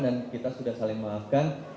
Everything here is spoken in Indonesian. dan kita sudah saling maafkan